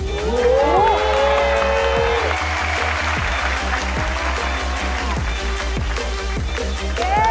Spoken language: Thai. โอ้โฮโอ้โฮโอ้โฮโอ้โฮ